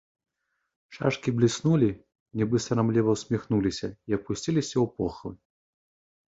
Шашкі бліснулі, нібы сарамліва ўсміхнуліся, і апусціліся ў похвы.